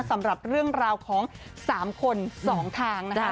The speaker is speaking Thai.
สำหรับเรื่องราวของ๓คน๒ทางนะคะ